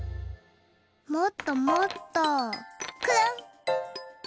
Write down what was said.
もっともっとくるん。